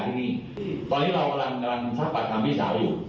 แต่ว่าการย่อดผ่าสมบวนเราต้องส่งไปตรวจดีกว่านึง